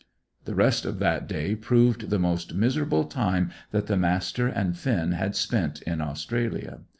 The rest of that day proved the most miserable time that the Master and Finn had spent in Australia.